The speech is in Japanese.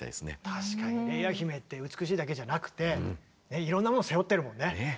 確かにレイア姫って美しいだけじゃなくていろんなものを背負ってるもんね。